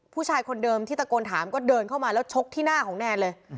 ผู้ชายคนเดิมที่ตะโกนถามก็เดินเข้ามาแล้วชกที่หน้าของแนนเลย